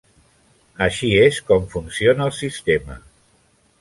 Així és com funciona el sistema.